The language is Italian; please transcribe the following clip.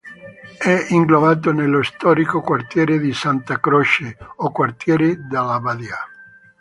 È inglobato nello storico quartiere di Santa Croce o quartiere della Badia.